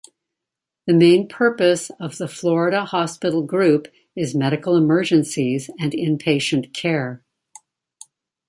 The main purpose of the Florida Hospital group is medical emergencies and in-patient care.